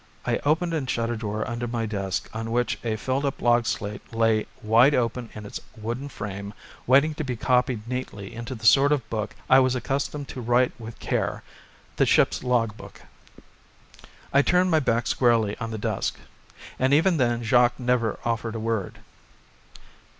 I opened and shut a drawer under my desk, on which a filled up log slate lay wide open in its wooden frame waiting to be copied neatly into the sort of book I was accustomed to write with care, the ship's log book. I turned my back squarely on the desk. And even then Jacques never offered a word.